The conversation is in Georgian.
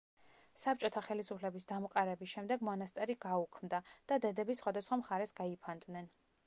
საბჭოთა ხელისუფლების დამყარების შემდეგ მონასტერი გაუქმდა და დედები სხვადასხვა მხარეს გაიფანტნენ.